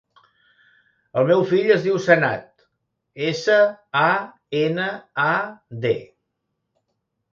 El meu fill es diu Sanad: essa, a, ena, a, de.